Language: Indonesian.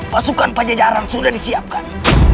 pasukan pajajaran sudah disiapkan